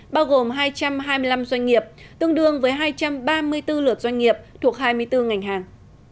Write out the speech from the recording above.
bao gồm hai trăm hai mươi năm doanh nghiệp tương đương với hai trăm ba mươi bốn lượt doanh nghiệp thuộc hai mươi bốn ngành hàng